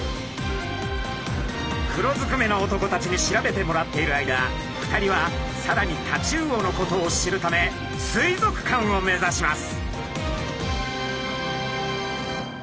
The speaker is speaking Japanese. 黒ずくめの男たちに調べてもらっている間２人はさらにタチウオのことを知るため水族館を目指します。